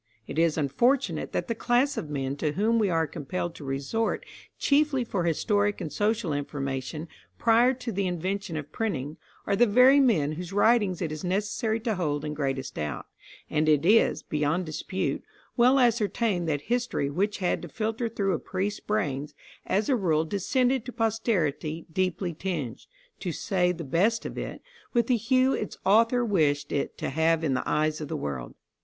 It is unfortunate that the class of men to whom we are compelled to resort chiefly for historic and social information prior to the invention of printing, are the very men whose writings it is necessary to hold in greatest doubt; and it is, beyond dispute, well ascertained that history which had to filter through a priest's brains, as a rule descended to posterity deeply tinged, to say the best of it, with the hue its author wished it to have in the eyes of the world.